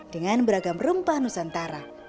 dengan beragam rempah nusantara